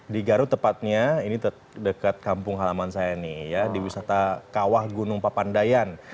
di garut tepatnya ini dekat kampung halaman saya nih ya di wisata kawah gunung papandayan